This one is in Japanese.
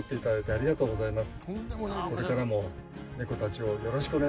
ありがとうございます。